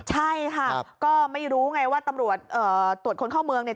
ใช่ค่ะก็ไม่รู้ไงว่าตำรวจตรวจคนเข้าเมืองเนี่ย